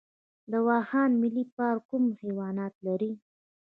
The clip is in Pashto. د واخان ملي پارک کوم حیوانات لري؟